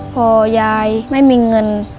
พอยายไม่มีเงิน